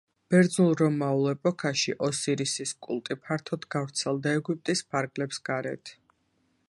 ბერძნულ-რომაულ ეპოქაში ოსირისის კულტი ფართოდ გავრცელდა ეგვიპტის ფარგლებს გარეთ.